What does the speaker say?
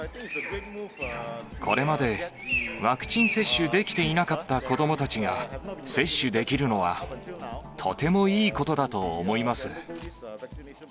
これまでワクチン接種できていなかった子どもたちが接種できるのは、とてもいいことだと思い